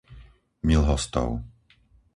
Milhostov